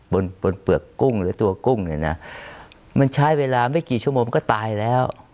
บนบนเปลือกกุ้งหรือตัวกุ้งเนี่ยนะมันใช้เวลาไม่กี่ชั่วโมงก็ตายแล้ว